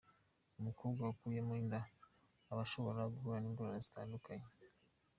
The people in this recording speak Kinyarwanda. Umukobwa wakuyemo inda aba ashobora guhura n’ingorane zitandukanye.